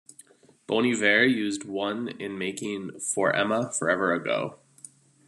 Bon Iver used one in making "For Emma, Forever Ago".